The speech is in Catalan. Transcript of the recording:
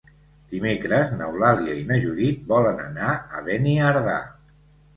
Dimecres n'Eulàlia i na Judit volen anar a Beniardà.